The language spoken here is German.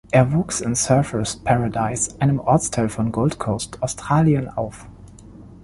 Er wuchs in Surfers Paradise, einem Ortsteil von Gold Coast, Australien, auf.